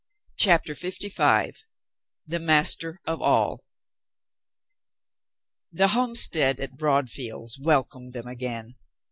CHAPTER FIFTY FIVE THE MASTER OF ALL ' I "^HE homestead at Broadfields welcomed them * again.